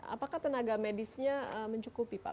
apakah tenaga medisnya mencukupi pak